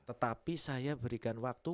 tetapi saya berikan waktu